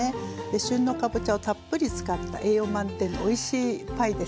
旬のかぼちゃをたっぷり使った栄養満点のおいしいパイです。